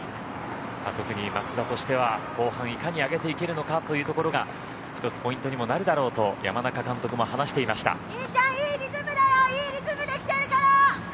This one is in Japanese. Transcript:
特に松田としては後半、いかに上げていけるのか１つポイントにもなるだろうと山中監督も話していました。